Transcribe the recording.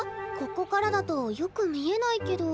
ここからだとよく見えないけど。